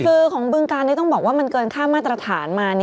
คือของบึงการนี้ต้องบอกว่ามันเกินค่ามาตรฐานมา